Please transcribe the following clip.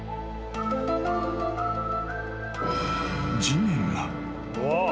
［地面が］